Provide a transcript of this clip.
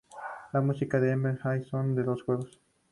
La música es Emerald Hill Zone de dos jugadores.